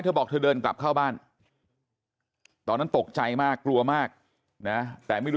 เธอบอกเธอเดินกลับเข้าบ้านตอนนั้นตกใจมากกลัวมากนะแต่ไม่รู้